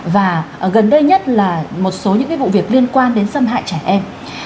và gần đây nhất là một số những cái vụ việc liên quan đến xâm hại trẻ em